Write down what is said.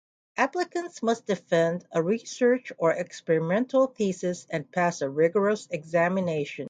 Applicants must defend a research or experimental thesis, and pass a rigorous examination.